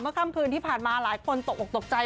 ค่ำคืนที่ผ่านมาหลายคนตกออกตกใจ